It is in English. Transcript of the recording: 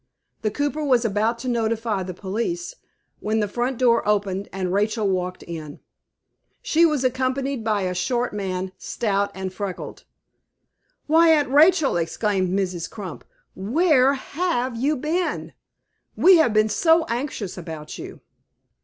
The cooper was about to notify the police, when the front door opened and Rachel walked in. She was accompanied by a short man, stout and freckled. "Why, Aunt Rachel," exclaimed Mrs. Crump, "where have you been? We have been so anxious about you."